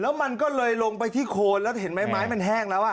แล้วมันก็เลยลงไปที่โคนแล้วเห็นไหมไม้มันแห้งแล้วอ่ะ